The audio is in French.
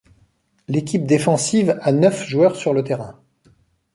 L'équipe défensive a neuf joueurs sur le terrain.